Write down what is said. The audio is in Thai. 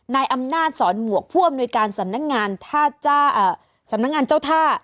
นายอํนาจสอนหมวกผู้อำลูกรับธุรกิจในการสำนักงานเจ้าท่า